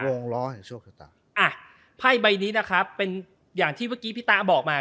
ล้อแห่งโชคชะตาอ่ะไพ่ใบนี้นะครับเป็นอย่างที่เมื่อกี้พี่ตาบอกมา